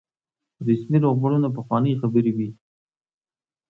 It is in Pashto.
رسمي روغبړونه پخوانۍ خبرې وي.